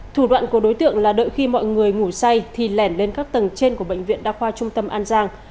thủ đoạn của đối tượng là đợi khi mọi người ngủ say thì lẻn lên các tầng trên của bệnh viện đa khoa trung tâm an giang